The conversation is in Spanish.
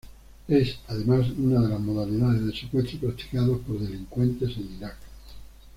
Es, además, una de las modalidades de secuestro practicados por delincuentes en Irak.